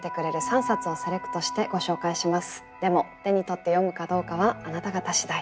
でも手に取って読むかどうかはあなた方次第。